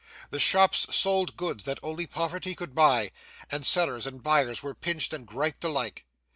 The shops sold goods that only poverty could buy, and sellers and buyers were pinched and griped alike.